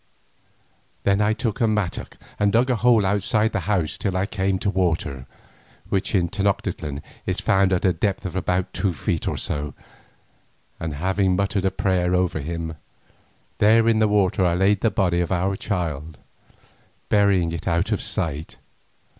Then I took a mattock and dug a hole outside the house till I came to water, which in Tenoctitlan is found at a depth of two feet or so. And, having muttered a prayer over him, there in the water I laid the body of our child, burying it out of sight.